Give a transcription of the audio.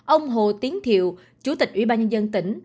ông hồ tiến thiệu chủ tịch ủy ban nhân dân tỉnh